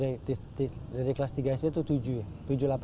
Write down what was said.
eh dari kelas tiga sd tuh tujuh ya